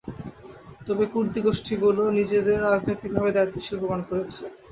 তবে কুর্দি গোষ্ঠীগুলো নিজেদের রাজনৈতিকভাবে দায়িত্বশীল প্রমাণ করেছে।